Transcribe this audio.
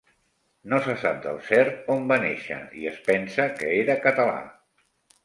No se sap del cert on va néixer, i es pensa que era català.